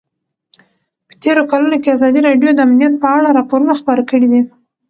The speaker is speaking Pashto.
په تېرو کلونو کې ازادي راډیو د امنیت په اړه راپورونه خپاره کړي دي.